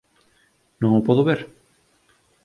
Non o podo ver!